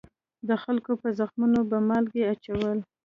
د خلکو په زخمونو به مالګې اچول.